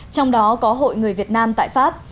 trong đó có hội người việt nam tại pháp